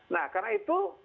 nah karena itu